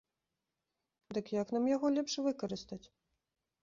Дык як нам яго лепш выкарыстаць?